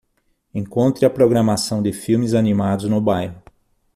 Encontre a programação de filmes animados no bairro.